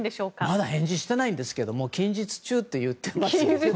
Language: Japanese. まだ返事していないんですけど近日中って言っています。